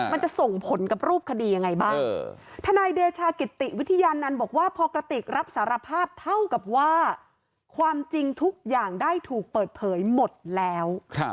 มันจะส่งผลกับรูปคดียังไงบ้างทนายเดชากิติวิทยานันต์บอกว่าพอกระติกรับสารภาพเท่ากับว่าความจริงทุกอย่างได้ถูกเปิดเผยหมดแล้ว